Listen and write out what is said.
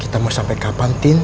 kita mau sampai kapan tim